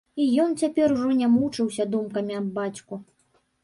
І ён цяпер ужо не мучыўся думкамі аб бацьку.